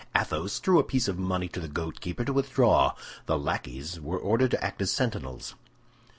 Athos threw a piece of money to the goatkeeper to withdraw. The lackeys were ordered to act as sentinels.